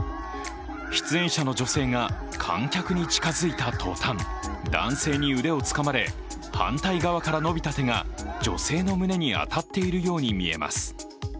出演者の女性が観客に近づいた途端、男性に腕をつかまれ、反対側から伸びた手が女性の胸に当たっているように見えます。